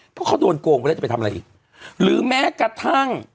เพราะเขาโดนโกงไปแล้วจะไปทำอะไรอีกหรือแม้กระทั่ง